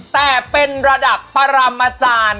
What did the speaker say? แต่เป็นระดับปรำอาจารย์